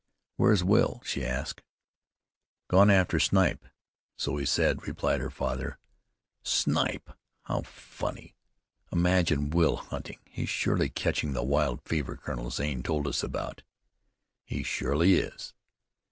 "Where's Will?" she asked. "Gone after snipe, so he said," replied her father. "Snipe? How funny! Imagine Will hunting! He's surely catching the wild fever Colonel Zane told us about." "He surely is."